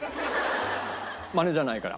マネじゃないから。